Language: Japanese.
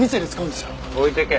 置いていけ。